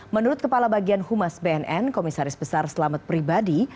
menurut kepala bagian humas bnn komisaris besar selamat pribadi